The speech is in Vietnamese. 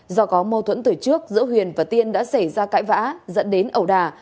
do có mâu thuẫn từ trước giữa huyền và tiên đã xảy ra cãi vã dẫn đến ẩu đà